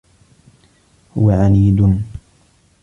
هو عنيد.